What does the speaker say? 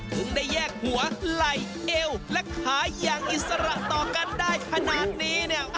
ถึงได้แยกหัวไหล่เอวและขาอย่างอิสระต่อกันได้ขนาดนี้เนี่ย